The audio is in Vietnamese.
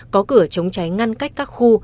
có cửa chống cháy ngăn cách các khu